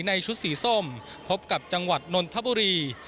ในชุดสีส้มพบกับจังหวัดนนทบุรี